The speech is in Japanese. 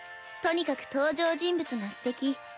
とにかく登場人物がすてき。